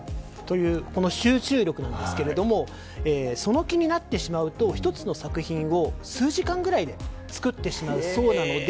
この集中力なんですがその気になってしまうと１つの作品を数時間ぐらいで作ってしまうそうなので。